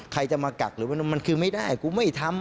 ใครจะมากักหรือมันคือไม่ได้กูไม่ทำ